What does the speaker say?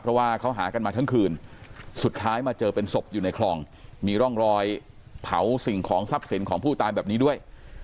เพราะว่าเขาหากันมาทั้งคืนสุดท้ายมาเจอเป็นศพอยู่ในคลองมีร่องรอยเผาสิ่งของทรัพย์สินของผู้ตายแบบนี้ด้วย